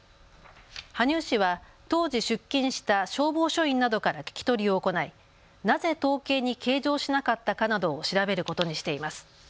羽生市は当時出勤した消防署員などから聞き取りを行いなぜ統計に計上しなかったかなどを調べることにしています。